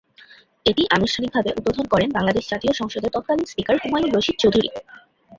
এটি আনুষ্ঠানিকভাবে উদ্বোধন করেন বাংলাদেশ জাতীয় সংসদের তৎকালীন স্পিকার হুমায়ুন রশীদ চৌধুরী।